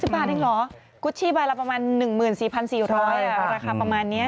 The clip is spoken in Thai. อ๋อ๕๖๐บาทเองเหรอกุ๊ชชีบายละประมาณ๑๔๔๐๐บาทอ่ะราคาประมาณนี้